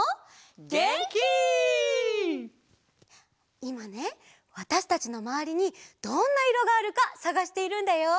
いまねわたしたちのまわりにどんないろがあるかさがしているんだよ。